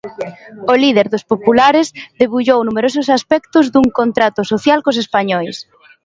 O líder dos populares debullou numerosos aspectos dun contrato social cos españois.